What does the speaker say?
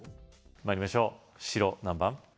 参りましょう白何番？